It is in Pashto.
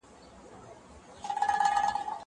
اوبه پاکه کړه!